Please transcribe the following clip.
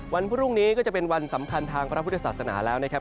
วันพรุ่งนี้ก็จะเป็นวันสำคัญทางพระพุทธศาสนาแล้วนะครับ